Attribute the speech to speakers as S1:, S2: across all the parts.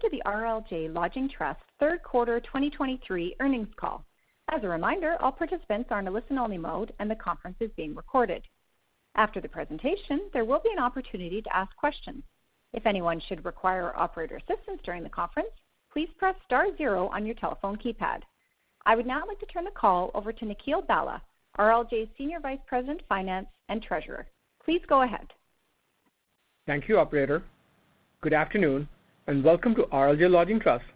S1: Welcome to the RLJ Lodging Trust third quarter 2023 earnings call. As a reminder, all participants are in a listen-only mode, and the conference is being recorded. After the presentation, there will be an opportunity to ask questions. If anyone should require operator assistance during the conference, please press star zero on your telephone keypad. I would now like to turn the call over to Nikhil Bhalla, RLJ's Senior Vice President, Finance, and Treasurer. Please go ahead.
S2: Thank you, operator. Good afternoon, and welcome to RLJ Lodging Trust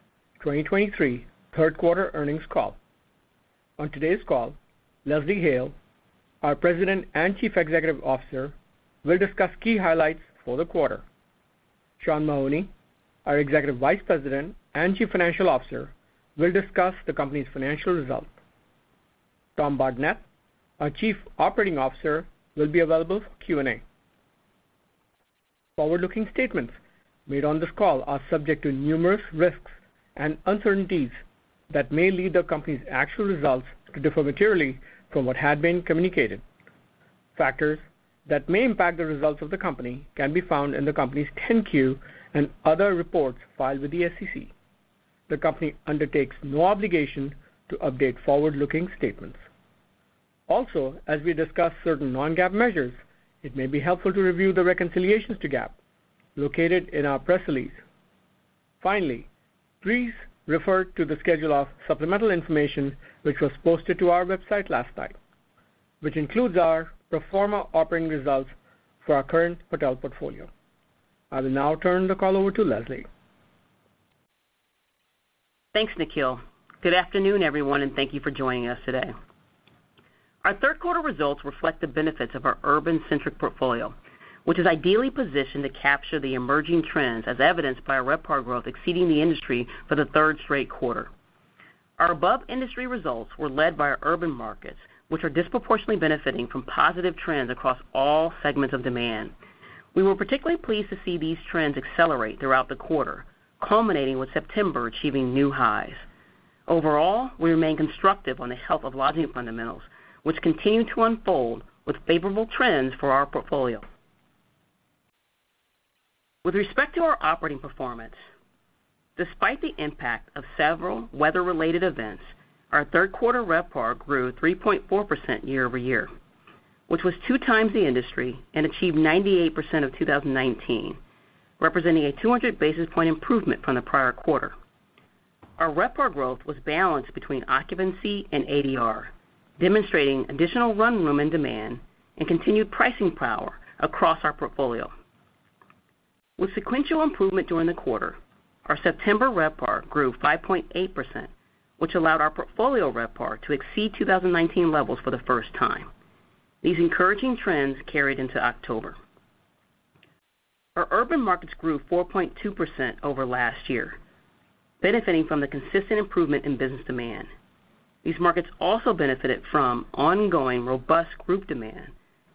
S2: 2023 third quarter earnings call. On today's call, Leslie Hale, our President and Chief Executive Officer, will discuss key highlights for the quarter. Sean Mahoney, our Executive Vice President and Chief Financial Officer, will discuss the company's financial results. Tom Bardenett, our Chief Operating Officer, will be available for Q&A. Forward-looking statements made on this call are subject to numerous risks and uncertainties that may lead the company's actual results to differ materially from what had been communicated. Factors that may impact the results of the company can be found in the company's 10-Q and other reports filed with the SEC. The company undertakes no obligation to update forward-looking statements. Also, as we discuss certain non-GAAP measures, it may be helpful to review the reconciliations to GAAP located in our press release. Finally, please refer to the schedule of supplemental information, which was posted to our website last night, which includes our pro forma operating results for our current hotel portfolio. I will now turn the call over to Leslie.
S3: Thanks, Nikhil. Good afternoon, everyone, and thank you for joining us today. Our third quarter results reflect the benefits of our urban-centric portfolio, which is ideally positioned to capture the emerging trends, as evidenced by our RevPAR growth exceeding the industry for the third straight quarter. Our above-industry results were led by our urban markets, which are disproportionately benefiting from positive trends across all segments of demand. We were particularly pleased to see these trends accelerate throughout the quarter, culminating with September achieving new highs. Overall, we remain constructive on the health of lodging fundamentals, which continue to unfold with favorable trends for our portfolio. With respect to our operating performance, despite the impact of several weather-related events, our third quarter RevPAR grew 3.4% year-over-year, which was two times the industry and achieved 98% of 2019, representing a 200 basis point improvement from the prior quarter. Our RevPAR growth was balanced between occupancy and ADR, demonstrating additional run room and demand and continued pricing power across our portfolio. With sequential improvement during the quarter, our September RevPAR grew 5.8%, which allowed our portfolio RevPAR to exceed 2019 levels for the first time. These encouraging trends carried into October. Our urban markets grew 4.2% over last year, benefiting from the consistent improvement in business demand. These markets also benefited from ongoing robust group demand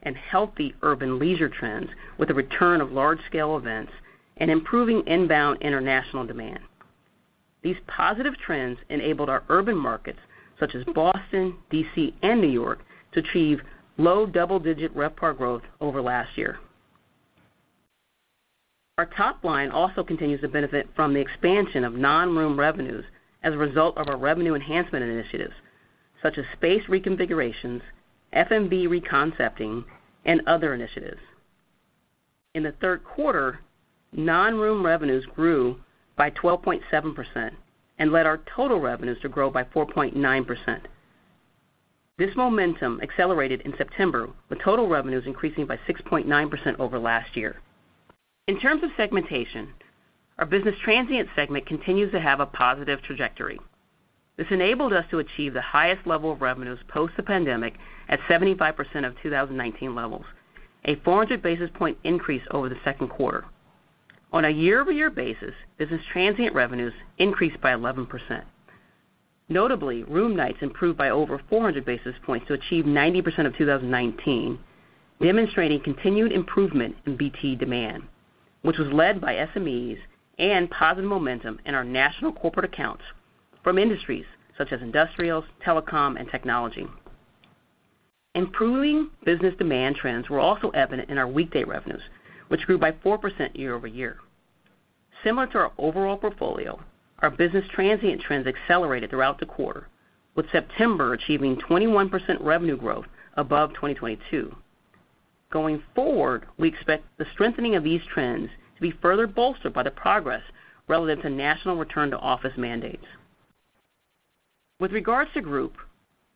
S3: and healthy urban leisure trends, with the return of large-scale events and improving inbound international demand. These positive trends enabled our urban markets, such as Boston, D.C., and New York, to achieve low double-digit RevPAR growth over last year. Our top line also continues to benefit from the expansion of non-room revenues as a result of our revenue enhancement initiatives, such as space reconfigurations, F&B re-concepting, and other initiatives. In the third quarter, non-room revenues grew by 12.7% and led our total revenues to grow by 4.9%. This momentum accelerated in September, with total revenues increasing by 6.9% over last year. In terms of segmentation, our business transient segment continues to have a positive trajectory. This enabled us to achieve the highest level of revenues post the pandemic at 75% of 2019 levels, a 400 basis point increase over the second quarter. On a year-over-year basis, business transient revenues increased by 11%. Notably, room nights improved by over 400 basis points to achieve 90% of 2019, demonstrating continued improvement in BT demand, which was led by SMEs and positive momentum in our national corporate accounts from industries such as industrials, telecom, and technology. Improving business demand trends were also evident in our weekday revenues, which grew by 4% year-over-year. Similar to our overall portfolio, our business transient trends accelerated throughout the quarter, with September achieving 21% revenue growth above 2022. Going forward, we expect the strengthening of these trends to be further bolstered by the progress relative to national return-to-office mandates. With regards to group,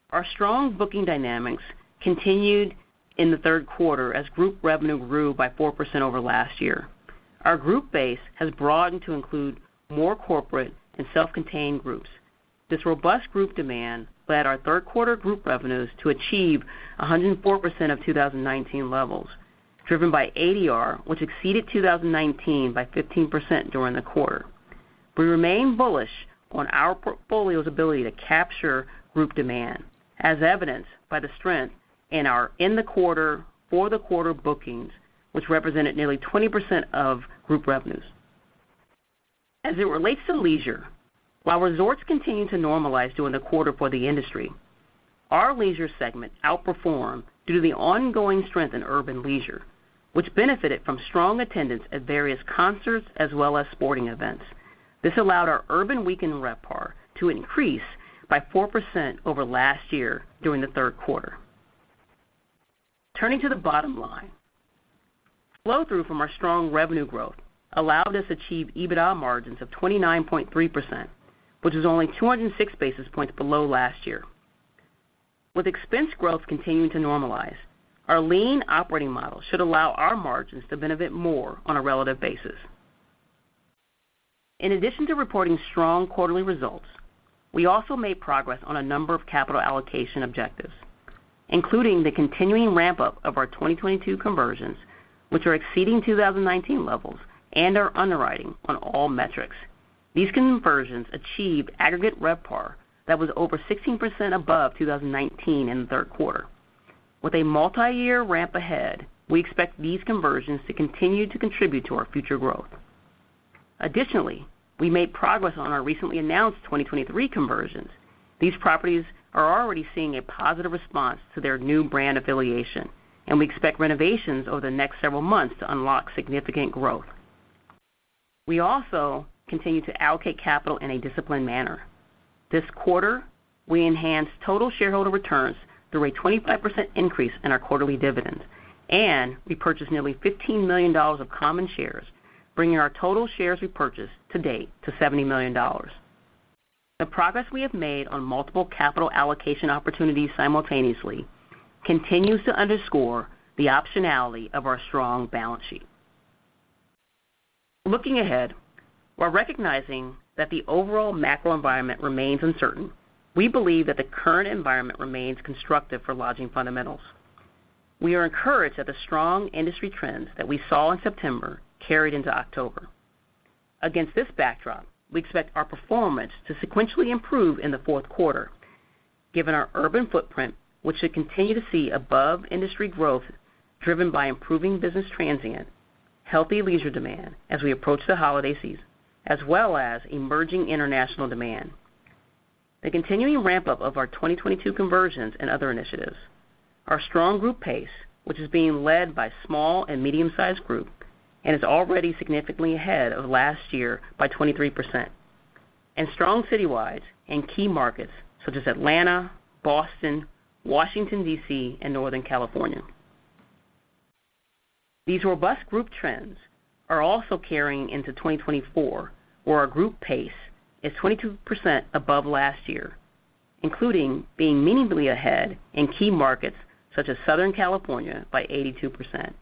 S3: our strong booking dynamics continued in the third quarter as group revenue grew by 4% over last year. Our group base has broadened to include more corporate and self-contained groups. This robust group demand led our third quarter group revenues to achieve 104% of 2019 levels, driven by ADR, which exceeded 2019 by 15% during the quarter. We remain bullish on our portfolio's ability to capture group demand, as evidenced by the strength in our in-the-quarter, for-the-quarter bookings, which represented nearly 20% of group revenues. As it relates to leisure, while resorts continued to normalize during the quarter for the industry. Our leisure segment outperformed due to the ongoing strength in urban leisure, which benefited from strong attendance at various concerts as well as sporting events. This allowed our urban weekend RevPAR to increase by 4% over last year during the third quarter. Turning to the bottom line, flow-through from our strong revenue growth allowed us to achieve EBITDA margins of 29.3%, which is only 206 basis points below last year. With expense growth continuing to normalize, our lean operating model should allow our margins to benefit more on a relative basis. In addition to reporting strong quarterly results, we also made progress on a number of capital allocation objectives, including the continuing ramp-up of our 2022 conversions, which are exceeding 2019 levels and are underwriting on all metrics. These conversions achieved aggregate RevPAR that was over 16% above 2019 in the third quarter. With a multiyear ramp ahead, we expect these conversions to continue to contribute to our future growth. Additionally, we made progress on our recently announced 2023 conversions. These properties are already seeing a positive response to their new brand affiliation, and we expect renovations over the next several months to unlock significant growth. We also continue to allocate capital in a disciplined manner. This quarter, we enhanced total shareholder returns through a 25% increase in our quarterly dividend, and we purchased nearly $15 million of common shares, bringing our total shares we purchased to date to $70 million. The progress we have made on multiple capital allocation opportunities simultaneously continues to underscore the optionality of our strong balance sheet. Looking ahead, while recognizing that the overall macro environment remains uncertain, we believe that the current environment remains constructive for lodging fundamentals. We are encouraged that the strong industry trends that we saw in September carried into October. Against this backdrop, we expect our performance to sequentially improve in the fourth quarter, given our urban footprint, which should continue to see above-industry growth, driven by improving business transient, healthy leisure demand as we approach the holiday season, as well as emerging international demand. The continuing ramp-up of our 2022 conversions and other initiatives, our strong group pace, which is being led by small and medium-sized group, and is already significantly ahead of last year by 23%, and strong citywides in key markets such as Atlanta, Boston, Washington, D.C., and Northern California. These robust group trends are also carrying into 2024, where our group pace is 22% above last year, including being meaningfully ahead in key markets such as Southern California by 82%,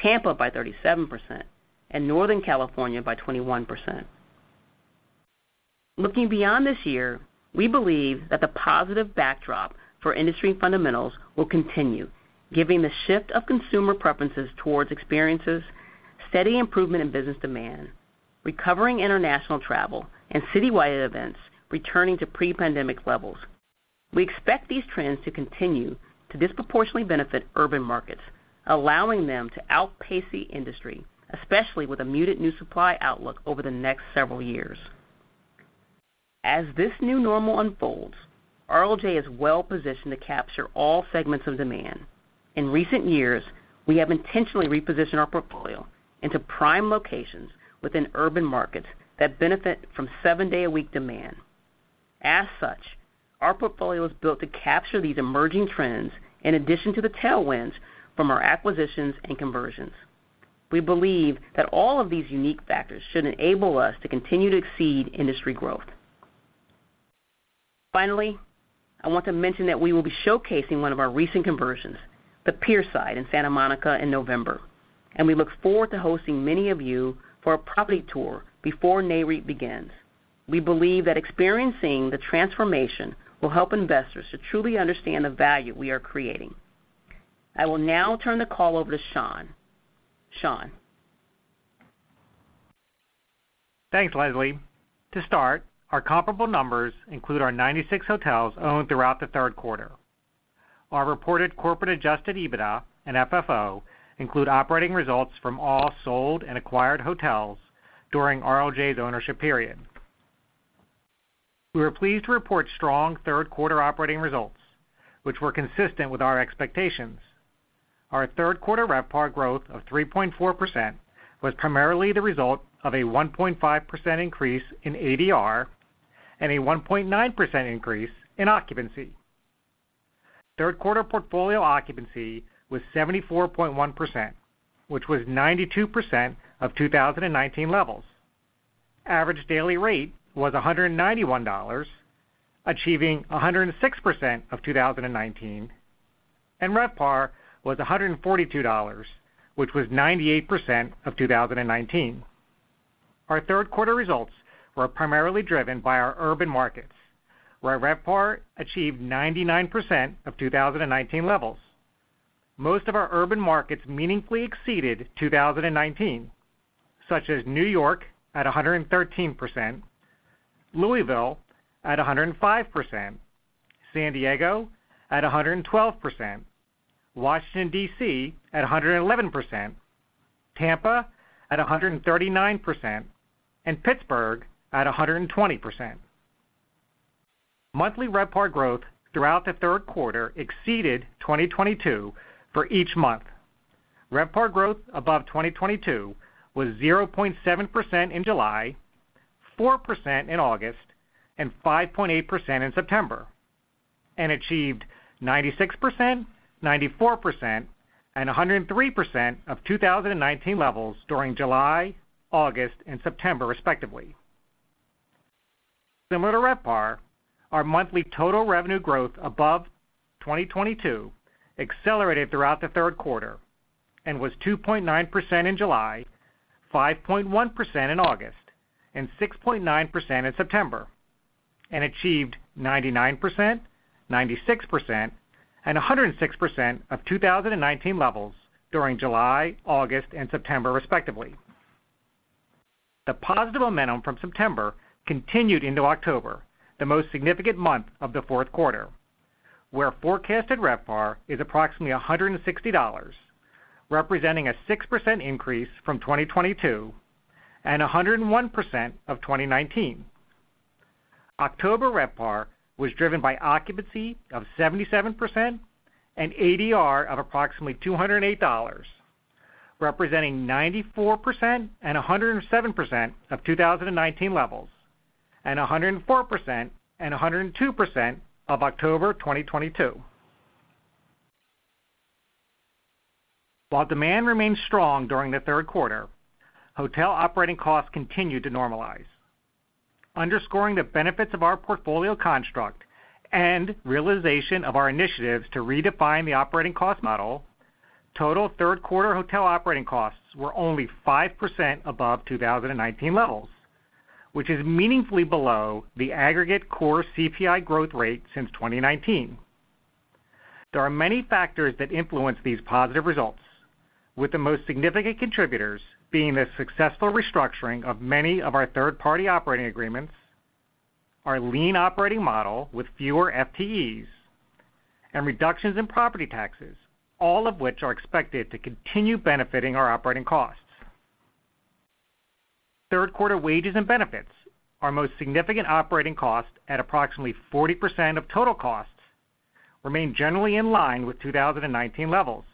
S3: Tampa by 37%, and Northern California by 21%. Looking beyond this year, we believe that the positive backdrop for industry fundamentals will continue, giving the shift of consumer preferences towards experiences, steady improvement in business demand, recovering international travel, and citywide events returning to pre-pandemic levels. We expect these trends to continue to disproportionately benefit urban markets, allowing them to outpace the industry, especially with a muted new supply outlook over the next several years. As this new normal unfolds, RLJ is well positioned to capture all segments of demand. In recent years, we have intentionally repositioned our portfolio into prime locations within urban markets that benefit from seven-day-a-week demand. As such, our portfolio is built to capture these emerging trends in addition to the tailwinds from our acquisitions and conversions. We believe that all of these unique factors should enable us to continue to exceed industry growth. Finally, I want to mention that we will be showcasing one of our recent conversions, The Pierside in Santa Monica, in November, and we look forward to hosting many of you for a property tour before NAREIT begins. We believe that experiencing the transformation will help investors to truly understand the value we are creating. I will now turn the call over to Sean. Sean?
S4: Thanks, Leslie. To start, our comparable numbers include our 96 hotels owned throughout the third quarter. Our reported corporate adjusted EBITDA and FFO include operating results from all sold and acquired hotels during RLJ's ownership period. We were pleased to report strong third quarter operating results, which were consistent with our expectations. Our third quarter RevPAR growth of 3.4% was primarily the result of a 1.5% increase in ADR and a 1.9% increase in occupancy. Third quarter portfolio occupancy was 74.1%, which was 92% of 2019 levels. Average daily rate was $191, achieving 106% of 2019, and RevPAR was $142, which was 98% of 2019. Our third quarter results were primarily driven by our urban markets, where RevPAR achieved 99% of 2019 levels. Most of our urban markets meaningfully exceeded 2019, such as New York at 113%, Louisville at 105%, San Diego at 112%, Washington, D.C., at 111%, Tampa at 139%, and Pittsburgh at 120%. Monthly RevPAR growth throughout the third quarter exceeded 2022 for each month. RevPAR growth above 2022 was 0.7% in July, 4% in August, and 5.8% in September, and achieved 96%, 94%, and 103% of 2019 levels during July, August, and September, respectively. Similar to RevPAR, our monthly total revenue growth above 2022 accelerated throughout the third quarter and was 2.9% in July, 5.1% in August, and 6.9% in September, and achieved 99%, 96%, and 106% of 2019 levels during July, August, and September, respectively. The positive momentum from September continued into October, the most significant month of the fourth quarter, where forecasted RevPAR is approximately $160, representing a 6% increase from 2022 and 101% of 2019. October RevPAR was driven by occupancy of 77% and ADR of approximately $208, representing 94% and 107% of 2019 levels, and 104% and 102% of October 2022. While demand remained strong during the third quarter, hotel operating costs continued to normalize. Underscoring the benefits of our portfolio construct and realization of our initiatives to redefine the operating cost model, total third quarter hotel operating costs were only 5% above 2019 levels, which is meaningfully below the aggregate core CPI growth rate since 2019. There are many factors that influence these positive results, with the most significant contributors being the successful restructuring of many of our third-party operating agreements, our lean operating model with fewer FTEs, and reductions in property taxes, all of which are expected to continue benefiting our operating costs. Third quarter wages and benefits, our most significant operating cost, at approximately 40% of total costs, remain generally in line with 2019 levels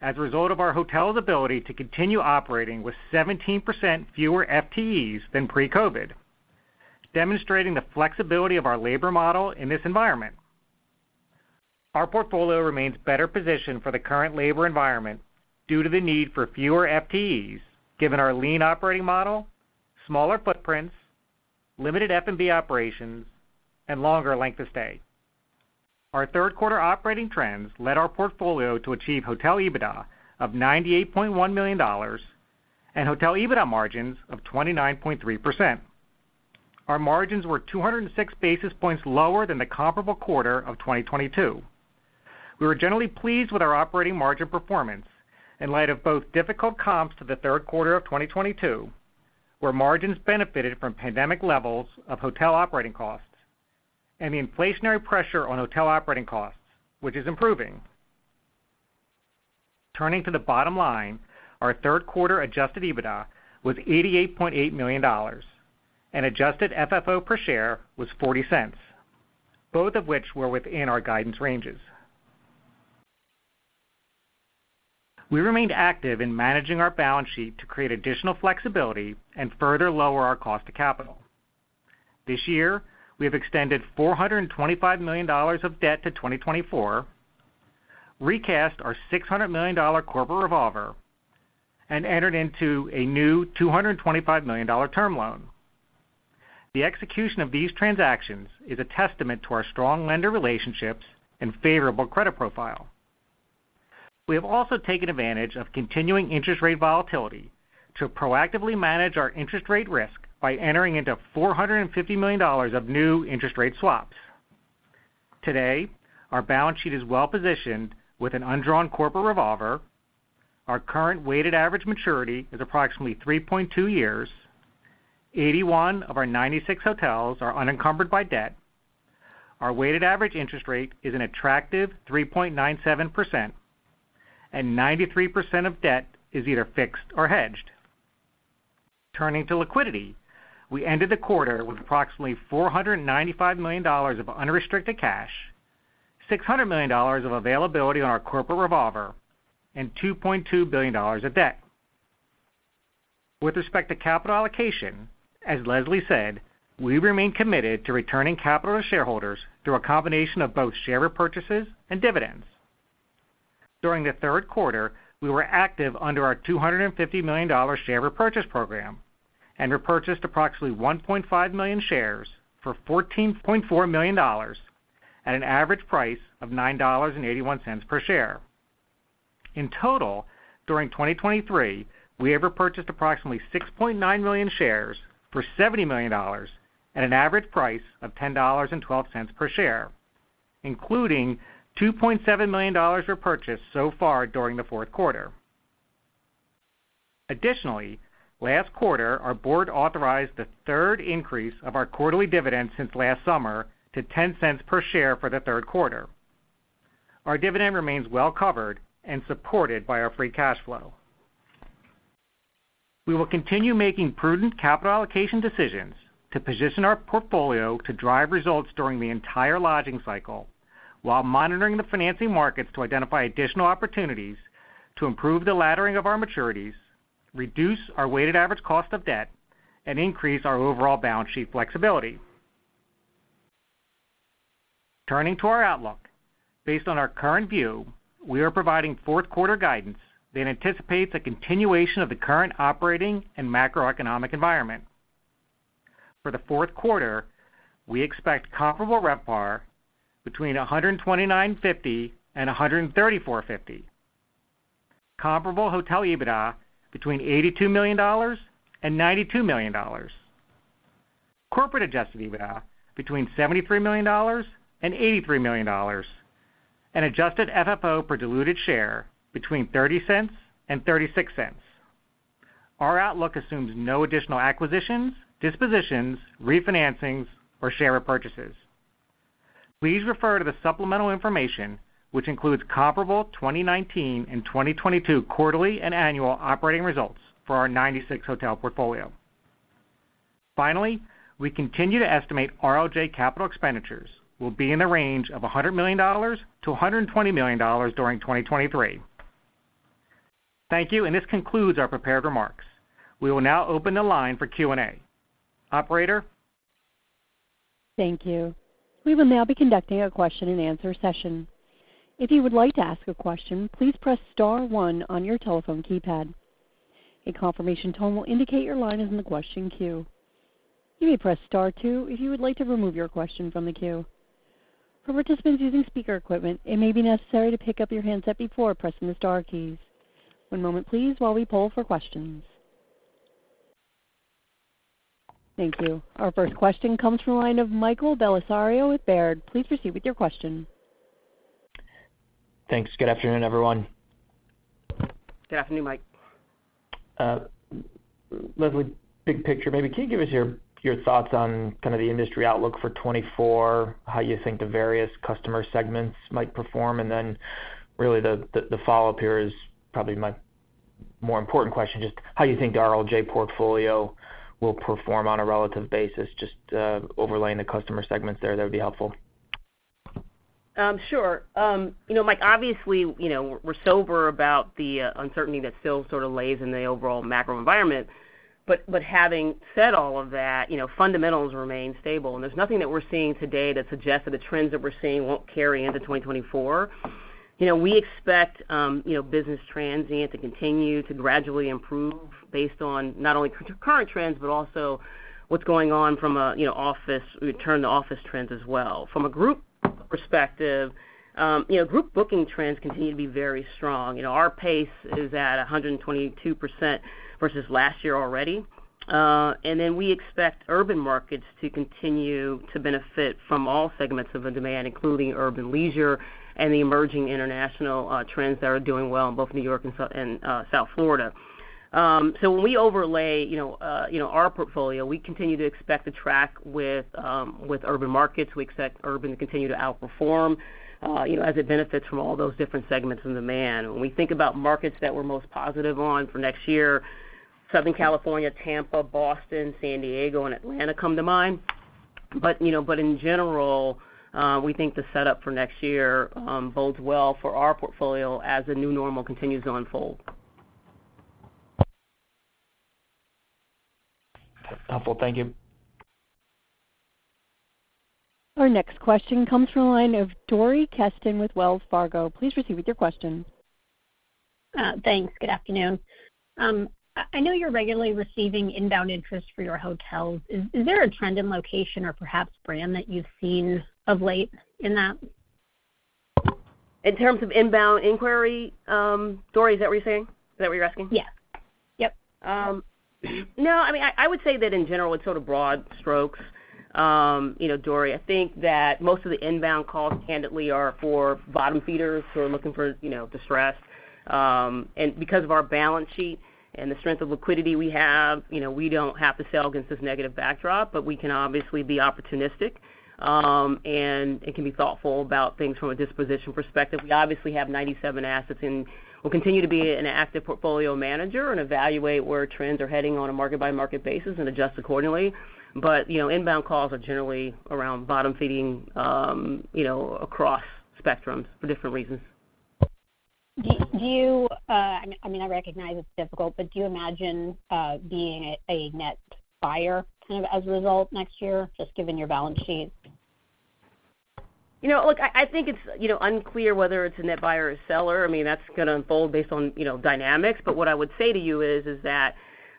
S4: as a result of our hotel's ability to continue operating with 17% fewer FTEs than pre-COVID, demonstrating the flexibility of our labor model in this environment. Our portfolio remains better positioned for the current labor environment due to the need for fewer FTEs, given our lean operating model, smaller footprints, limited F&B operations, and longer length of stay. Our third quarter operating trends led our portfolio to achieve hotel EBITDA of $98.1 million and hotel EBITDA margins of 29.3%. Our margins were 206 basis points lower than the comparable quarter of 2022. We were generally pleased with our operating margin performance in light of both difficult comps to the third quarter of 2022, where margins benefited from pandemic levels of hotel operating costs and the inflationary pressure on hotel operating costs, which is improving. Turning to the bottom line, our third quarter adjusted EBITDA was $88.8 million, and adjusted FFO per share was $0.40, both of which were within our guidance ranges. We remained active in managing our balance sheet to create additional flexibility and further lower our cost of capital. This year, we have extended $425 million of debt to 2024, recast our $600 million corporate revolver, and entered into a new $225 million term loan. The execution of these transactions is a testament to our strong lender relationships and favorable credit profile. We have also taken advantage of continuing interest rate volatility to proactively manage our interest rate risk by entering into $450 million of new interest rate swaps. Today, our balance sheet is well positioned with an undrawn corporate revolver. Our current weighted average maturity is approximately 3.2 years. 81 of our 96 hotels are unencumbered by debt. Our weighted average interest rate is an attractive 3.97%, and 93% of debt is either fixed or hedged. Turning to liquidity, we ended the quarter with approximately $495 million of unrestricted cash, $600 million of availability on our corporate revolver, and $2.2 billion of debt. With respect to capital allocation, as Leslie said, we remain committed to returning capital to shareholders through a combination of both share repurchases and dividends. During the third quarter, we were active under our $250 million share repurchase program and repurchased approximately 1.5 million shares for $14.4 million at an average price of $9.81 per share. In total, during 2023, we have repurchased approximately 6.9 million shares for $70 million at an average price of $10.12 per share, including $2.7 million repurchased so far during the fourth quarter. Additionally, last quarter, our board authorized the third increase of our quarterly dividend since last summer to $0.10 per share for the third quarter. Our dividend remains well covered and supported by our free cash flow. We will continue making prudent capital allocation decisions to position our portfolio to drive results during the entire lodging cycle, while monitoring the financing markets to identify additional opportunities to improve the laddering of our maturities, reduce our weighted average cost of debt, and increase our overall balance sheet flexibility. Turning to our outlook. Based on our current view, we are providing fourth quarter guidance that anticipates a continuation of the current operating and macroeconomic environment. For the fourth quarter, we expect comparable RevPAR between 129.50 and 134.50. Comparable hotel EBITDA between $82 million and $92 million. Corporate adjusted EBITDA between $73 million and $83 million, and adjusted FFO per diluted share between $0.30 and $0.36. Our outlook assumes no additional acquisitions, dispositions, refinancings, or share repurchases. Please refer to the supplemental information, which includes comparable 2019 and 2022 quarterly and annual operating results for our 96 hotel portfolio. Finally, we continue to estimate RLJ capital expenditures will be in the range of $100 million-$120 million during 2023. Thank you, and this concludes our prepared remarks. We will now open the line for Q&A. Operator?
S1: Thank you. We will now be conducting a question-and-answer session. If you would like to ask a question, please press star one on your telephone keypad. A confirmation tone will indicate your line is in the question queue. You may press star two if you would like to remove your question from the queue. For participants using speaker equipment, it may be necessary to pick up your handset before pressing the star keys. One moment please while we poll for questions. Thank you. Our first question comes from the line of Michael Bellisario with Baird. Please proceed with your question.
S5: Thanks. Good afternoon, everyone.
S3: Good afternoon, Mike.
S5: Leslie, big picture, maybe can you give us your, your thoughts on kind of the industry outlook for 2024, how you think the various customer segments might perform? And then really, the follow-up here is probably my more important question, just how you think the RLJ portfolio will perform on a relative basis, just overlaying the customer segments there, that'd be helpful.
S3: Sure. You know, Mike, obviously, you know, we're sober about the uncertainty that still sort of lays in the overall macro environment. But having said all of that, you know, fundamentals remain stable, and there's nothing that we're seeing today that suggests that the trends that we're seeing won't carry into 2024. You know, we expect, you know, business transient to continue to gradually improve based on not only current trends, but also what's going on from a, you know, office, return to office trends as well. From a group perspective, you know, group booking trends continue to be very strong. You know, our pace is at 122% versus last year already. And then we expect urban markets to continue to benefit from all segments of the demand, including urban leisure and the emerging international trends that are doing well in both New York and South Florida. So when we overlay, you know, you know, our portfolio, we continue to expect to track with with urban markets. We expect urban to continue to outperform, you know, as it benefits from all those different segments and demand. When we think about markets that we're most positive on for next year, Southern California, Tampa, Boston, San Diego, and Atlanta come to mind. But, you know, but in general, we think the setup for next year bodes well for our portfolio as the new normal continues to unfold.
S5: Helpful. Thank you.
S1: Our next question comes from the line of Dori Kesten with Wells Fargo. Please proceed with your question.
S6: Thanks. Good afternoon. I know you're regularly receiving inbound interest for your hotels. Is there a trend in location or perhaps brand that you've seen of late in that?
S3: In terms of inbound inquiry, Dori, is that what you're saying? Is that what you're asking?
S6: Yes. Yep.
S3: No, I mean, I would say that in general, with sort of broad strokes, you know, Dori, I think that most of the inbound calls, candidly, are for bottom feeders who are looking for, you know, distress. And because of our balance sheet and the strength of liquidity we have, you know, we don't have to sell against this negative backdrop, but we can obviously be opportunistic, and can be thoughtful about things from a disposition perspective. We obviously have 97 assets and will continue to be an active portfolio manager and evaluate where trends are heading on a market-by-market basis and adjust accordingly. But, you know, inbound calls are generally around bottom-feeding, you know, across spectrums for different reasons.
S6: Do you, I mean, I recognize it's difficult, but do you imagine being a net buyer kind of as a result next year, just given your balance sheet?
S3: You know, look, I think it's, you know, unclear whether it's a net buyer or seller. I mean, that's gonna unfold based on, you know, dynamics. But what I would say to you is that,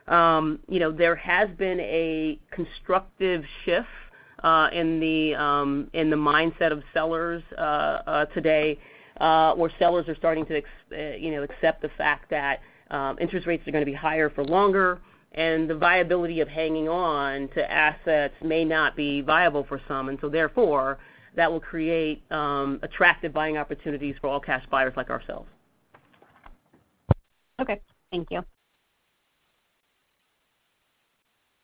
S3: you know, there has been a constructive shift in the mindset of sellers today, where sellers are starting to, you know, accept the fact that interest rates are gonna be higher for longer, and the viability of hanging on to assets may not be viable for some. And so therefore, that will create attractive buying opportunities for all-cash buyers like ourselves.
S6: Okay, thank you.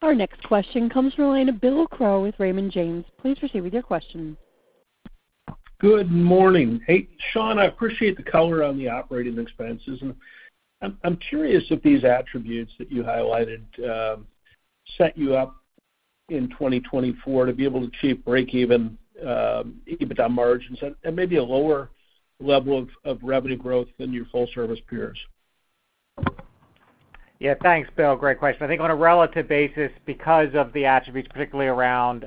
S1: Our next question comes from the line of Bill Crow with Raymond James. Please proceed with your question.
S7: Good morning. Hey, Sean, I appreciate the color on the operating expenses. I'm curious if these attributes that you highlighted set you up in 2024 to be able to achieve break-even EBITDA margins and maybe a lower level of revenue growth than your full-service peers?
S8: Yeah, thanks, Bill. Great question. I think on a relative basis, because of the attributes, particularly around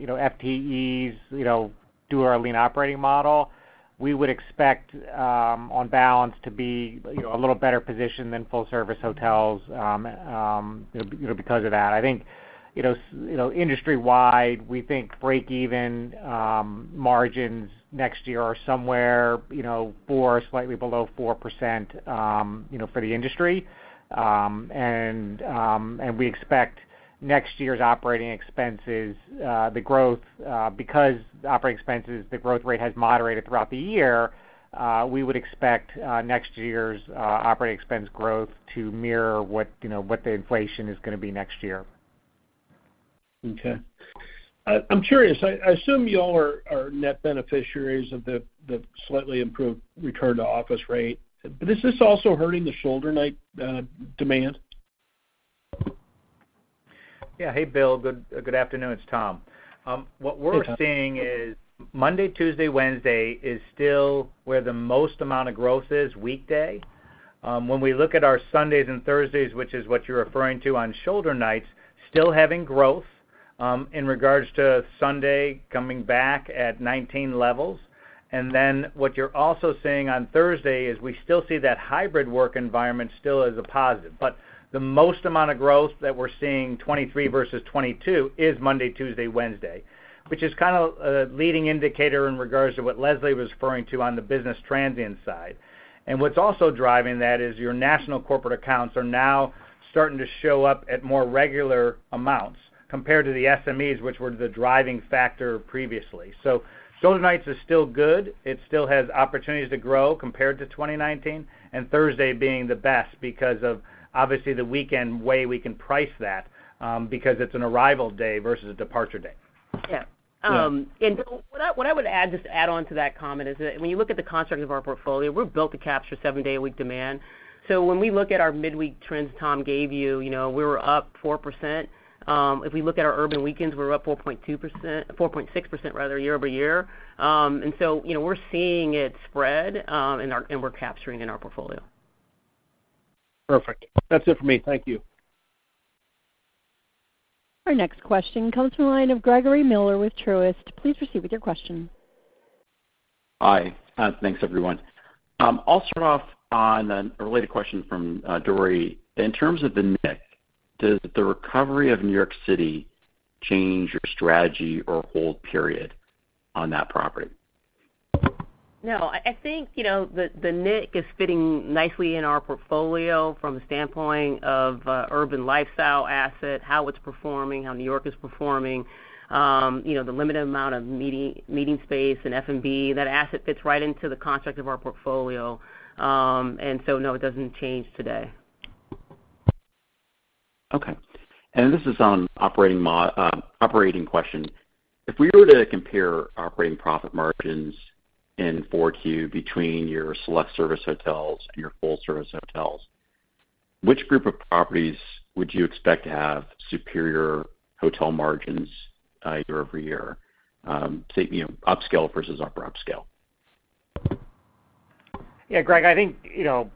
S8: you know FTEs, you know, due to our lean operating model, we would expect on balance to be you know a little better positioned than full-service hotels you know because of that. I think you know you know industry-wide, we think breakeven margins next year are somewhere you know 4%, slightly below 4% you know for the industry. And, and we expect next year's operating expenses the growth because the operating expenses the growth rate has moderated throughout the year we would expect next year's operating expense growth to mirror what you know what the inflation is gonna be next year.
S7: Okay. I'm curious. I assume you all are net beneficiaries of the slightly improved return to office rate. But is this also hurting the shoulder night demand?
S8: Yeah. Hey, Bill. Good afternoon, it's Tom. What we're seeing is Monday, Tuesday, Wednesday is still where the most amount of growth is, weekday. When we look at our Sundays and Thursdays, which is what you're referring to on shoulder nights, still having growth, in regards to Sunday coming back at 2019 levels. And then what you're also seeing on Thursday is we still see that hybrid work environment still as a positive. But the most amount of growth that we're seeing, 2023 versus 2022, is Monday, Tuesday, Wednesday, which is kind of a leading indicator in regards to what Leslie was referring to on the business transient side. And what's also driving that is your national corporate accounts are now starting to show up at more regular amounts compared to the SMEs, which were the driving factor previously. So shoulder nights is still good. It still has opportunities to grow compared to 2019, and Thursday being the best because of, obviously, the weekend way we can price that, because it's an arrival day versus a departure day.
S3: Yeah.
S8: Yeah.
S3: And Bill, what I would add, just to add on to that comment, is that when you look at the construct of our portfolio, we're built to capture seven-day-a-week demand. So when we look at our midweek trends Tom gave you, you know, we were up 4%. If we look at our urban weekends, we're up 4.2%, 4.6%, rather, year-over-year. And so, you know, we're seeing it spread, and we're capturing in our portfolio.
S7: Perfect. That's it for me. Thank you.
S1: Our next question comes from the line of Gregory Miller with Truist. Please proceed with your question.
S9: Hi. Thanks, everyone. I'll start off on a related question from Dori. In terms of The Knick, does the recovery of New York City change your strategy or hold period on that property?
S3: No. I think, you know, The Nick is fitting nicely in our portfolio from a standpoint of urban lifestyle asset, how it's performing, how New York is performing, you know, the limited amount of meeting space and F&B. That asset fits right into the construct of our portfolio. And so, no, it doesn't change today.
S9: Okay. This is on operating question. If we were to compare operating profit margins in Q4 between your select service hotels and your full service hotels, which group of properties would you expect to have superior hotel margins, year-over-year? So, you know, upscale versus upper upscale.
S8: Yeah, Greg, I think, you know,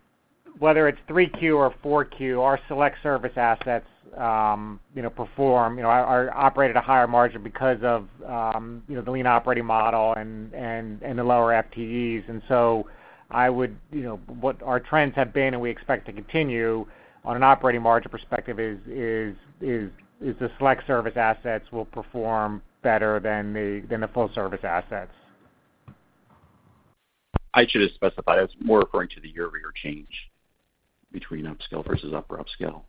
S8: whether it's three Q or four Q, our select service assets, you know, perform, you know, are operated at a higher margin because of, you know, the lean operating model and the lower FTEs. And so I would. You know, what our trends have been, and we expect to continue, on an operating margin perspective, is the select service assets will perform better than the full service assets.
S9: I should have specified. I was more referring to the year-over-year change between upscale versus upper upscale.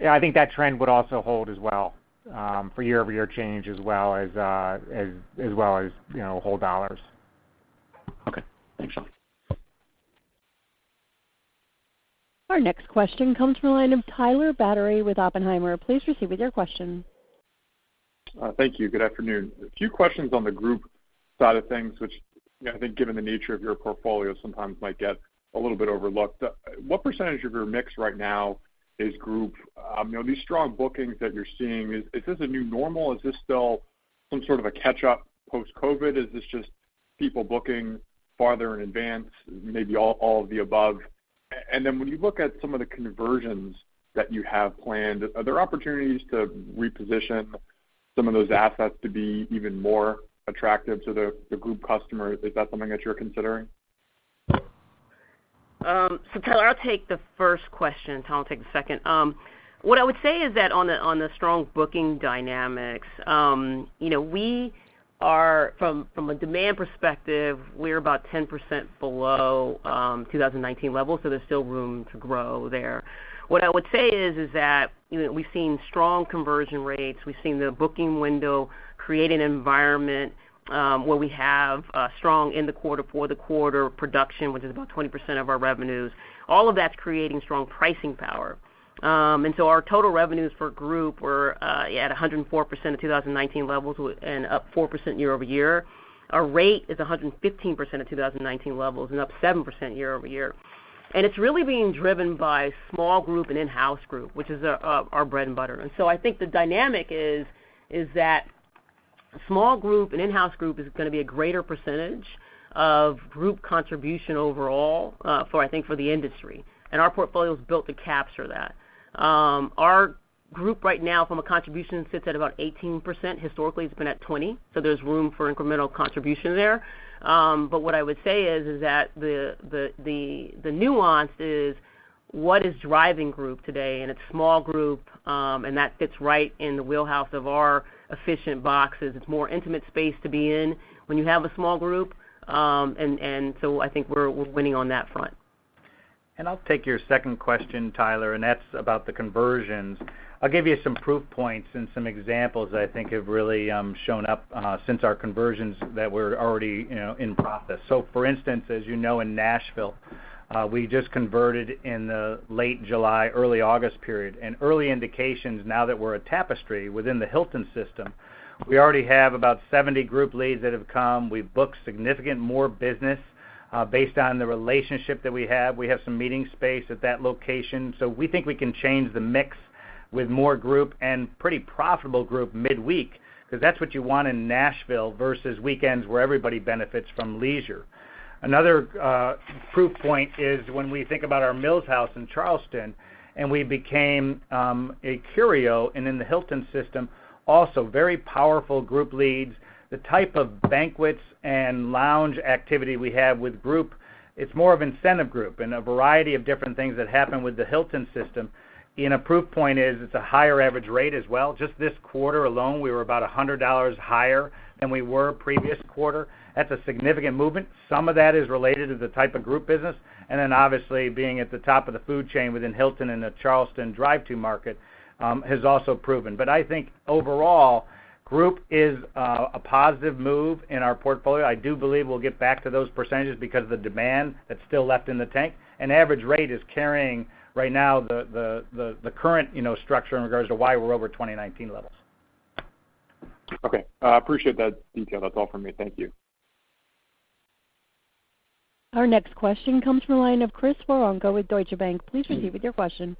S8: Yeah, I think that trend would also hold as well for year-over-year change as well as, you know, whole dollars.
S9: Okay, thanks.
S1: Our next question comes from the line of Tyler Batory with Oppenheimer. Please proceed with your question.
S10: Thank you. Good afternoon. A few questions on the group side of things, which, you know, I think given the nature of your portfolio, sometimes might get a little bit overlooked. What percentage of your mix right now is group? You know, these strong bookings that you're seeing, is this a new normal? Is this still some sort of a catch-up post-COVID? Is this just people booking farther in advance? Maybe all of the above. And then when you look at some of the conversions that you have planned, are there opportunities to reposition some of those assets to be even more attractive to the group customer? Is that something that you're considering?
S3: So Tyler, I'll take the first question, and Tom will take the second. What I would say is that on the strong booking dynamics, you know, we are—from a demand perspective, we're about 10% below 2019 levels, so there's still room to grow there. What I would say is that, you know, we've seen strong conversion rates. We've seen the booking window create an environment where we have strong in the quarter, for the quarter production, which is about 20% of our revenues. All of that's creating strong pricing power. And so our total revenues for group were at 104% of 2019 levels and up 4% year-over-year. Our rate is 115% of 2019 levels, and up 7% year-over-year, and it's really being driven by small group and in-house group, which is our bread and butter. And so I think the dynamic is that small group and in-house group is gonna be a greater percentage of group contribution overall, for, I think, for the industry, and our portfolio is built to capture that. Our group right now, from a contribution, sits at about 18%. Historically, it's been at 20, so there's room for incremental contribution there. But what I would say is that the nuance is, what is driving group today? And it's small group, and that fits right in the wheelhouse of our efficient boxes. It's more intimate space to be in when you have a small group, and so I think we're winning on that front.
S8: And I'll take your second question, Tyler, and that's about the conversions. I'll give you some proof points and some examples that I think have really shown up since our conversions that were already, you know, in process. So for instance, as you know, in Nashville, we just converted in the late July, early August period. And early indications, now that we're a Tapestry within the Hilton system, we already have about 70 group leads that have come. We've booked significant more business based on the relationship that we have. We have some meeting space at that location. So we think we can change the mix with more group and pretty profitable group midweek, 'cause that's what you want in Nashville versus weekends, where everybody benefits from leisure. Another proof point is when we think about our Mills House in Charleston, and we became a Curio and in the Hilton system, also very powerful group leads. The type of banquets and lounge activity we have with group, it's more of incentive group and a variety of different things that happen with the Hilton system. And a proof point is it's a higher average rate as well. Just this quarter alone, we were about $100 higher than we were previous quarter. That's a significant movement. Some of that is related to the type of group business, and then obviously, being at the top of the food chain within Hilton and the Charleston drive-to market has also proven. But I think overall, group is a positive move in our portfolio.I do believe we'll get back to those percentages because the demand that's still left in the tank and average rate is carrying, right now, the current, you know, structure in regards to why we're over 2019 levels.
S10: Okay, appreciate that detail. That's all from me. Thank you.
S1: Our next question comes from the line of Chris Woronka with Deutsche Bank. Please proceed with your question.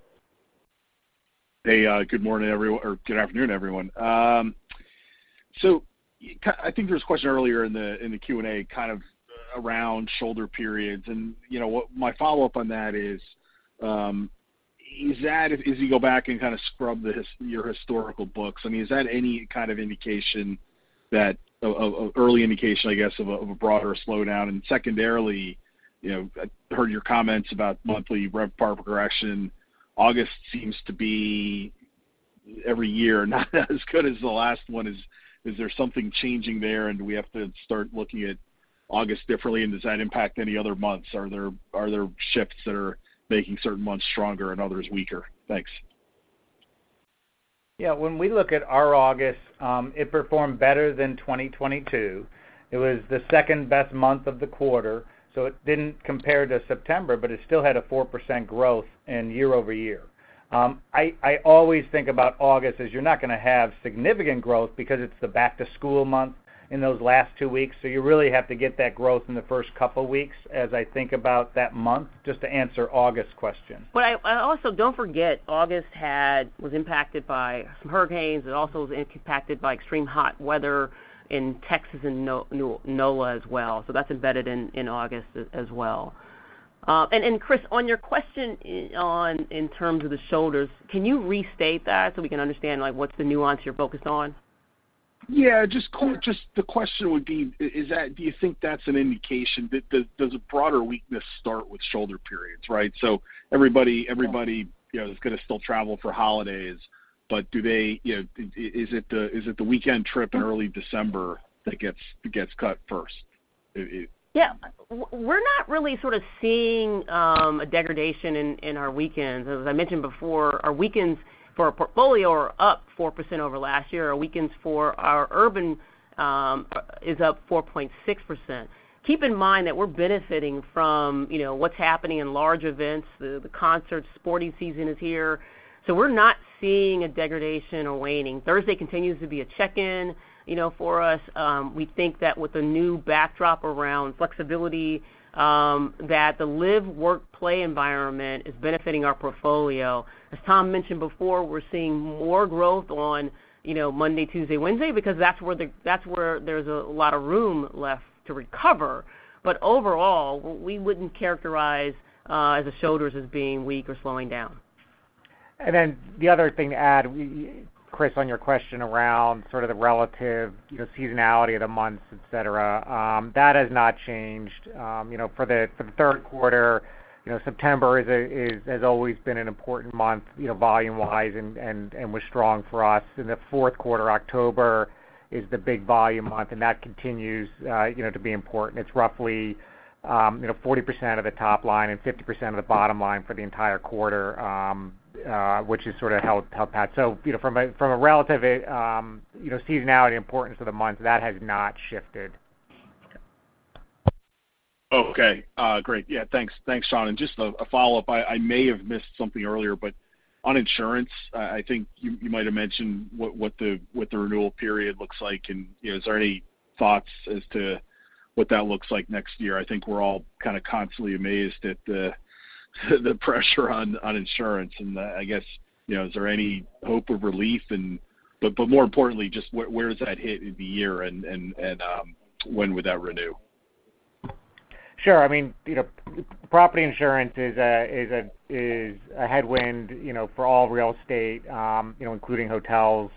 S11: Hey, good morning, everyone or good afternoon, everyone. So I think there was a question earlier in the Q&A kind of around shoulder periods. And you know, what my follow-up on that is, is that, as you go back and kind of scrub your historical books, I mean, is that any kind of early indication, I guess, of a broader slowdown? And secondarily, you know, I heard your comments about monthly RevPAR progression. August seems to be, every year, not as good as the last one. Is there something changing there, and do we have to start looking at August differently, and does that impact any other months? Are there shifts that are making certain months stronger and others weaker? Thanks.
S4: Yeah, when we look at our August, it performed better than 2022. It was the second-best month of the quarter, so it didn't compare to September, but it still had a 4% growth year-over-year. I always think about August as you're not gonna have significant growth because it's the back-to-school month in those last two weeks, so you really have to get that growth in the first couple weeks as I think about that month, just to answer August question.
S3: But also, don't forget, August was impacted by some hurricanes and also was impacted by extreme hot weather in Texas and NOLA as well. So that's embedded in August as well. And Chris, on your question in terms of the shoulders, can you restate that so we can understand, like, what's the nuance you're focused on?
S11: Yeah, just quick,
S3: Sure.
S11: Just the question would be: is that, do you think that's an indication? Does a broader weakness start with shoulder periods, right? So everybody, everybody, you know, is gonna still travel for holidays, but do they, you know, is it the weekend trip in early December that gets cut first? It, it-
S3: Yeah. We're not really sort of seeing a degradation in our weekends. As I mentioned before, our weekends for our portfolio are up 4% over last year. Our weekends for our urban is up 4.6%. Keep in mind that we're benefiting from, you know, what's happening in large events. The concert, sporting season is here, so we're not seeing a degradation or waning. Thursday continues to be a check-in, you know, for us. We think that with the new backdrop around flexibility, that the live, work, play environment is benefiting our portfolio. As Tom mentioned before, we're seeing more growth on, you know, Monday, Tuesday, Wednesday, because that's where there's a lot of room left to recover. But overall, we wouldn't characterize the shoulders as being weak or slowing down.
S4: And then the other thing to add, we, Chris, on your question around sort of the relative, you know, seasonality of the months, et cetera, that has not changed. You know, for the third quarter, you know, September has always been an important month, you know, volume-wise and was strong for us. In the fourth quarter, October is the big volume month, and that continues, you know, to be important. It's roughly, you know, 40% of the top line and 50% of the bottom line for the entire quarter, which is sort of how it's held pat. So, you know, from a relative, you know, seasonality importance of the month, that has not changed.
S11: Okay. Great. Yeah, thanks. Thanks, Sean. And just a follow-up. I may have missed something earlier, but on insurance, I think you might have mentioned what the renewal period looks like, and, you know, is there any thoughts as to what that looks like next year. I think we're all kind of constantly amazed at the pressure on insurance, and I guess, you know, is there any hope of relief in but, more importantly, just where does that hit in the year, and when would that renew?
S4: Sure. I mean, you know, property insurance is a headwind, you know, for all real estate, including hotels.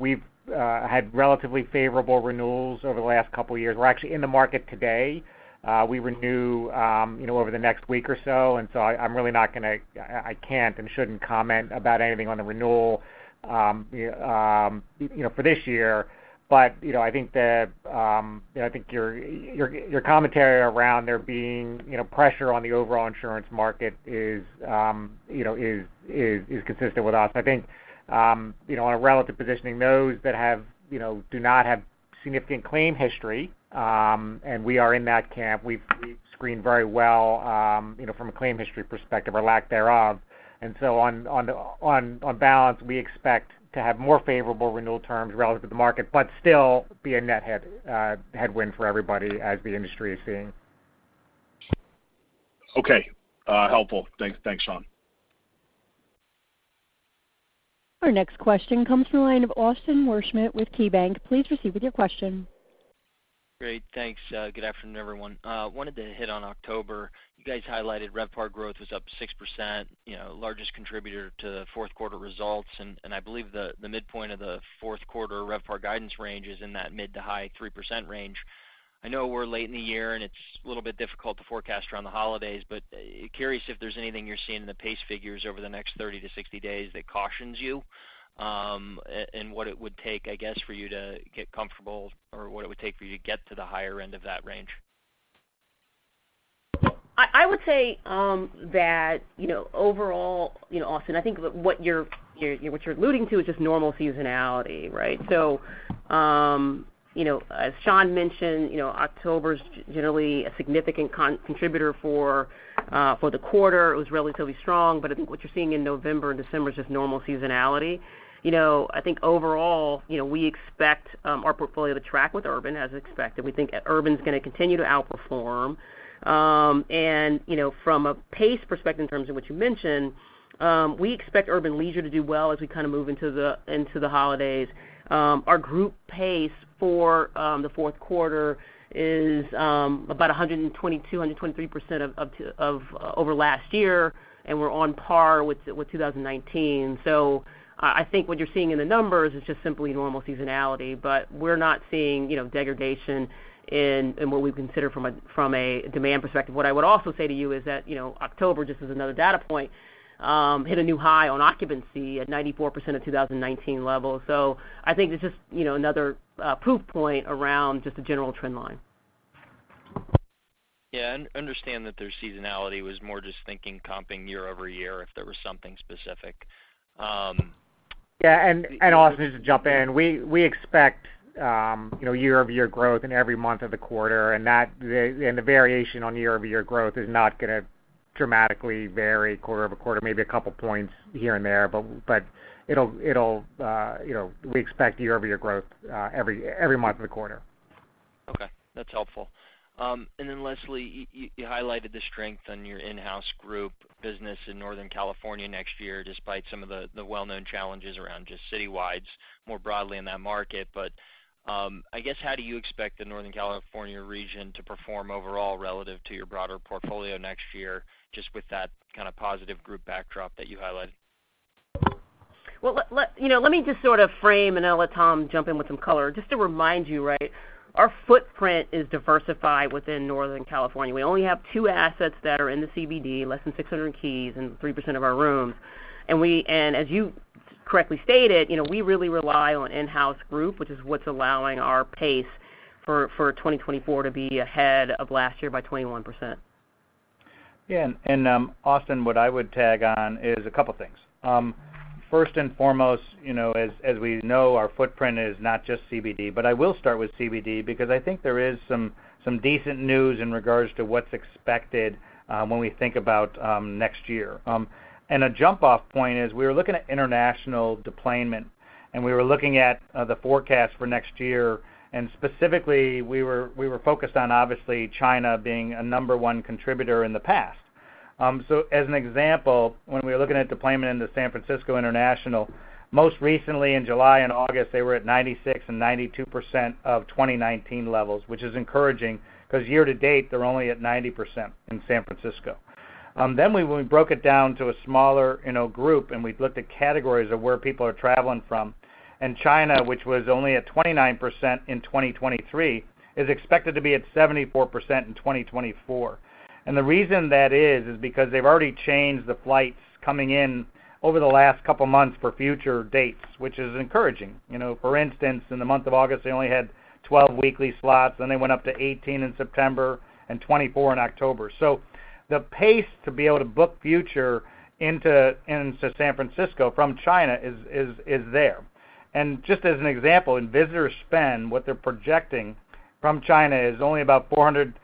S4: We've had relatively favorable renewals over the last couple of years. We're actually in the market today. We renew over the next week or so, and so I'm really not gonna. I can't and shouldn't comment about anything on the renewal, you know, for this year. But, you know, I think that, you know, I think your commentary around there being, you know, pressure on the overall insurance market is, you know, is consistent with us. I think, you know, on a relative positioning, those that have, you know, do not have significant claim history, and we are in that camp, we've screened very well, you know, from a claim history perspective or lack thereof. And so, on balance, we expect to have more favorable renewal terms relative to the market, but still be a net headwind for everybody as the industry is seeing.
S11: Okay, helpful. Thanks, Sean.
S1: Our next question comes from the line of Austin Wurschmidt with KeyBanc. Please proceed with your question.
S12: Great, thanks. Good afternoon, everyone. Wanted to hit on October. You guys highlighted RevPAR growth was up 6%, you know, largest contributor to the fourth quarter results, and, and I believe the, the midpoint of the fourth quarter RevPAR guidance range is in that mid- to high-3% range. I know we're late in the year, and it's a little bit difficult to forecast around the holidays, but, curious if there's anything you're seeing in the pace figures over the next 30-60 days that cautions you, and what it would take, I guess, for you to get comfortable or what it would take for you to get to the higher end of that range?
S3: I would say that, you know, overall, you know, Austin, I think what you're alluding to is just normal seasonality, right? So, you know, as Sean mentioned, you know, October is generally a significant contributor for the quarter. It was relatively strong, but I think what you're seeing in November and December is just normal seasonality. You know, I think overall, you know, we expect our portfolio to track with urban as expected. We think urban's gonna continue to outperform. And, you know, from a pace perspective, in terms of what you mentioned, we expect urban leisure to do well as we kind of move into the holidays. Our group pace for the fourth quarter is about 122-123% over last year, and we're on par with 2019. So I think what you're seeing in the numbers is just simply normal seasonality, but we're not seeing, you know, degradation in what we consider from a demand perspective. What I would also say to you is that, you know, October, just as another data point, hit a new high on occupancy at 94% of 2019 levels. So I think it's just, you know, another proof point around just the general trend line.
S12: Yeah, I understand that their seasonality was more just thinking comping year over year, if there was something specific?
S4: Yeah, and Austin, just to jump in, we expect, you know, year-over-year growth in every month of the quarter, and the variation on year-over-year growth is not gonna dramatically vary quarter-over-quarter, maybe a couple points here and there, but it'll, You know, we expect year-over-year growth every month of the quarter.
S12: Okay, that's helpful. And then, Leslie, you highlighted the strength on your in-house group business in Northern California next year, despite some of the well-known challenges around just citywides more broadly in that market. But, I guess, how do you expect the Northern California region to perform overall relative to your broader portfolio next year, just with that kind of positive group backdrop that you highlighted?
S3: Well, you know, let me just sort of frame, and I'll let Tom jump in with some color. Just to remind you, right, our footprint is diversified within Northern California. We only have two assets that are in the CBD, less than 600 keys and 3% of our rooms. And as you correctly stated, you know, we really rely on in-house group, which is what's allowing our pace for 2024 to be ahead of last year by 21%.
S8: Yeah, and, Austin, what I would tag on is a couple things. First and foremost, you know, as, as we know, our footprint is not just CBD, but I will start with CBD because I think there is some, some decent news in regards to what's expected, when we think about, next year. And a jump-off point is we were looking at international deplanement, and we were looking at the forecast for next year, and specifically, we were focused on, obviously, China being a number one contributor in the past. So as an example, when we were looking at deplanement in the San Francisco International, most recently in July and August, they were at 96% and 92% of 2019 levels, which is encouraging, cause year to date, they're only at 90% in San Francisco. Then we broke it down to a smaller, you know, group, and we've looked at categories of where people are traveling from. And China, which was only at 29% in 2023, is expected to be at 74% in 2024. And the reason that is, is because they've already changed the flights coming in over the last couple of months for future dates, which is encouraging. You know, for instance, in the month of August, they only had 12 weekly slots, then they went up to 18 in September and 24 in October. So the pace to be able to book future into San Francisco from China is there. And just as an example, in visitor spend, what they're projecting from China is only about $406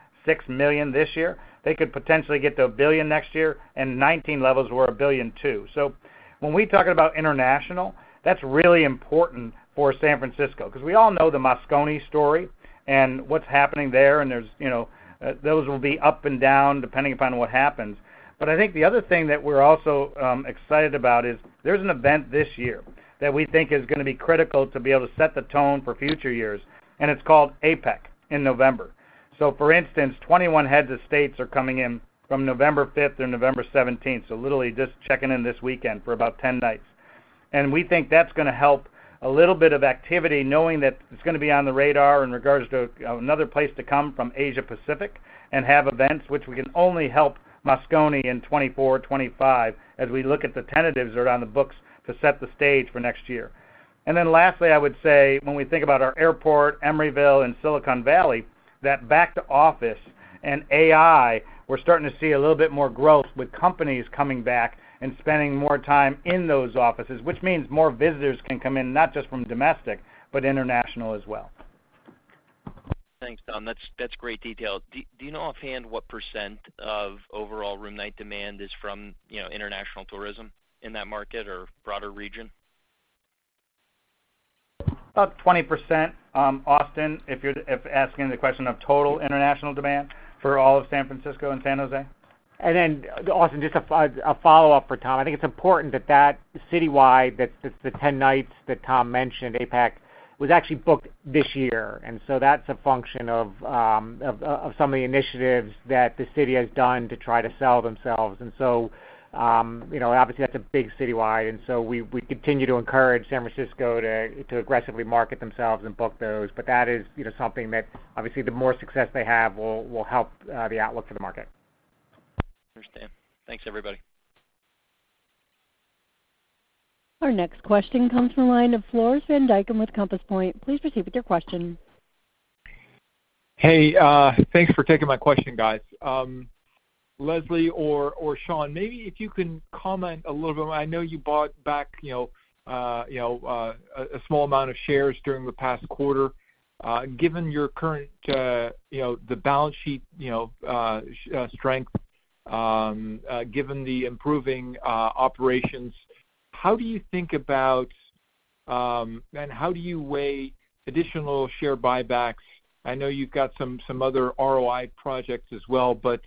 S8: million this year. They could potentially get to $1 billion next year, and 2019 levels were $1 billion, too. So when we talk about international. That's really important for San Francisco, 'cause we all know the Moscone story and what's happening there, and there's, you know, those will be up and down, depending upon what happens. But I think the other thing that we're also excited about is there's an event this year that we think is gonna be critical to be able to set the tone for future years, and it's called APEC in November. So for instance, 21 heads of states are coming in from November fifth through November seventeenth, so literally just checking in this weekend for about 10 nights. And we think that's gonna help a little bit of activity, knowing that it's gonna be on the radar in regards to another place to come from Asia Pacific, and have events which we can only help Moscone in 2024, 2025, as we look at the tentatives are on the books to set the stage for next year. And then lastly, I would say, when we think about our airport, Emeryville, and Silicon Valley, that back to office and AI, we're starting to see a little bit more growth with companies coming back and spending more time in those offices, which means more visitors can come in, not just from domestic, but international as well.
S12: Thanks, Tom. That's great detail. Do you know offhand what % of overall room night demand is from, you know, international tourism in that market or broader region?
S8: About 20%, Austin, if you're asking the question of total international demand for all of San Francisco and San Jose.
S4: And then, Austin, just a follow-up for Tom. I think it's important that that citywide, that the 10 nights that Tom mentioned, APEC, was actually booked this year. And so that's a function of, of, some of the initiatives that the city has done to try to sell themselves. And so, you know, obviously, that's a big citywide, and so we, we continue to encourage San Francisco to, to aggressively market themselves and book those. But that is, you know, something that, obviously, the more success they have will, will help, the outlook for the market.
S12: Understand. Thanks, everybody.
S1: Our next question comes from the line of Floris van Dijkum with Compass Point. Please proceed with your question.
S13: Hey, thanks for taking my question, guys. Leslie or Sean, maybe if you can comment a little bit. I know you bought back, you know, you know, a small amount of shares during the past quarter. Given your current, you know, the balance sheet, you know, strength, given the improving operations, how do you think about, and how do you weigh additional share buybacks? I know you've got some other ROI projects as well, but,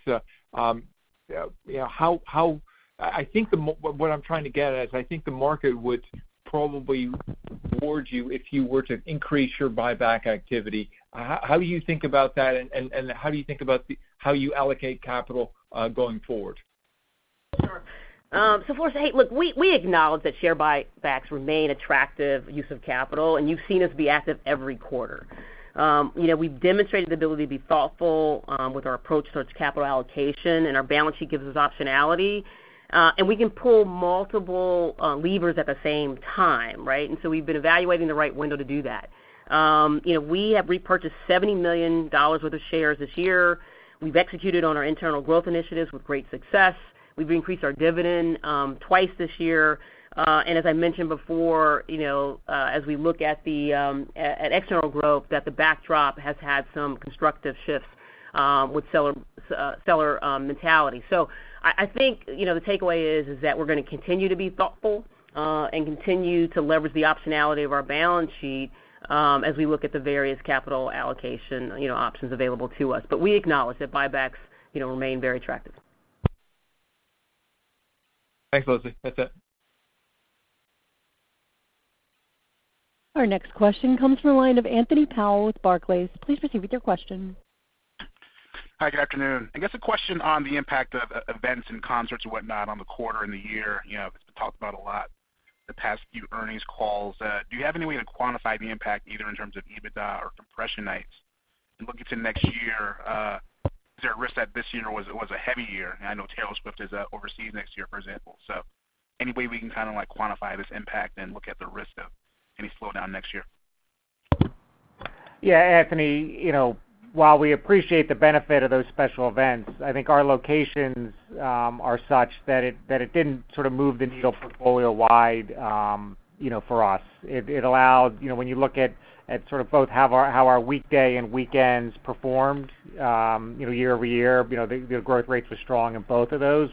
S13: you know, how I think, What I'm trying to get at is, I think the market would probably reward you if you were to increase your buyback activity. How do you think about that, and how do you think about the, how you allocate capital, going forward?
S3: Sure. So Floris, hey, look, we, we acknowledge that share buybacks remain attractive use of capital, and you've seen us be active every quarter. You know, we've demonstrated the ability to be thoughtful with our approach towards capital allocation, and our balance sheet gives us optionality. And we can pull multiple levers at the same time, right? And so we've been evaluating the right window to do that. You know, we have repurchased $70 million worth of shares this year. We've executed on our internal growth initiatives with great success. We've increased our dividend twice this year. And as I mentioned before, you know, as we look at the external growth, that the backdrop has had some constructive shifts with seller mentality. So I think, you know, the takeaway is that we're gonna continue to be thoughtful, and continue to leverage the optionality of our balance sheet, as we look at the various capital allocation, you know, options available to us. But we acknowledge that buybacks, you know, remain very attractive.
S13: Thanks, Leslie. That's it.
S1: Our next question comes from the line of Anthony Powell with Barclays. Please proceed with your question.
S14: Hi, good afternoon. I guess a question on the impact of events and concerts and whatnot on the quarter and the year, you know, it's been talked about a lot the past few earnings calls. Do you have any way to quantify the impact, either in terms of EBITDA or compression nights? And looking to next year, is there a risk that this year was a heavy year? I know Taylor Swift is overseas next year, for example. So any way we can kind of, like, quantify this impact and look at the risk of any slowdown next year?
S4: Yeah, Anthony, you know, while we appreciate the benefit of those special events, I think our locations are such that it, that it didn't sort of move the needle portfolio-wide, you know, for us. It, it allowed. You know, when you look at, at sort of both how our, how our weekday and weekends performed, year-over-year, you know, the, the growth rates were strong in both of those.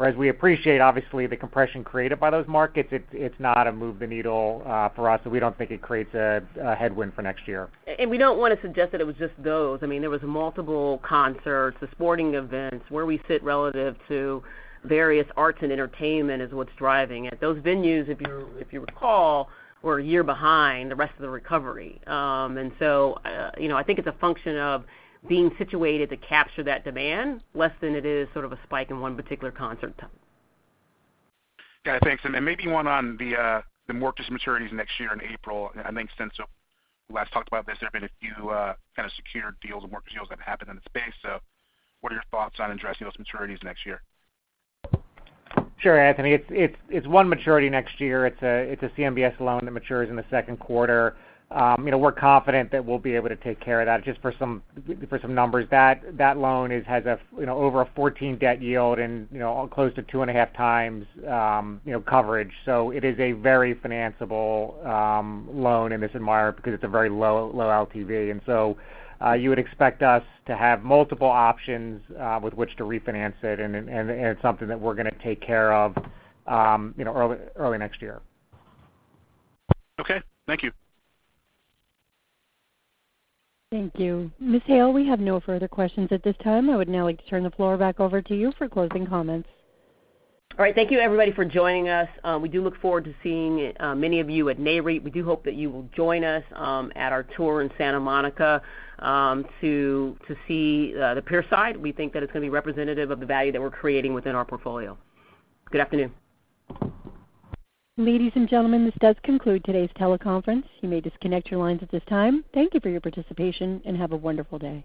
S4: Whereas we appreciate, obviously, the compression created by those markets, it's, it's not a move the needle, for us, so we don't think it creates a, a headwind for next year.
S3: We don't want to suggest that it was just those. I mean, there was multiple concerts, the sporting events, where we sit relative to various arts and entertainment is what's driving it. Those venues, if you, if you recall, were a year behind the rest of the recovery. And so, you know, I think it's a function of being situated to capture that demand less than it is sort of a spike in one particular concert time.
S14: Got it. Thanks. And maybe one on the mortgage maturities next year in April. I think since we last talked about this, there have been a few kind of secured deals and mortgage deals that happened in the space. So what are your thoughts on addressing those maturities next year?
S4: Sure, Anthony. It's one maturity next year. It's a CMBS loan that matures in the second quarter. You know, we're confident that we'll be able to take care of that just for some numbers. That loan has a, you know, over a 14 debt yield and, you know, close to 2.5 times, you know, coverage. So it is a very financeable loan in this environment because it's a very low LTV. And so you would expect us to have multiple options with which to refinance it, and it's something that we're gonna take care of, you know, early next year.
S14: Okay. Thank you.
S1: Thank you. Ms. Hale, we have no further questions at this time. I would now like to turn the floor back over to you for closing comments.
S3: All right. Thank you, everybody, for joining us. We do look forward to seeing many of you at NAREIT. We do hope that you will join us at our tour in Santa Monica to see the Pierside. We think that it's gonna be representative of the value that we're creating within our portfolio. Good afternoon.
S1: Ladies and gentlemen, this does conclude today's teleconference. You may disconnect your lines at this time. Thank you for your participation, and have a wonderful day.